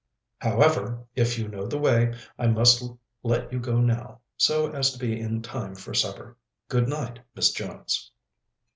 "However, if you know the way I must let you go now, so as to be in time for supper. Good night, Miss Jones."